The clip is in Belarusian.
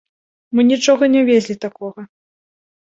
Мы нічога не везлі такога.